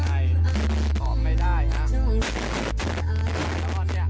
ใช่มรอบข่าวยังดีมากได้